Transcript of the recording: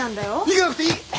行かなくていい！